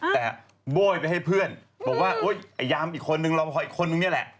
แต่บ่อยไปให้เพื่อนโบ้ยว่าอหยามอีกคนนึงรอหอยอีกคนนึงเนี่ยแหละ